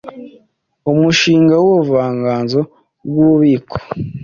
Umushinga wUbuvanganzo bwububiko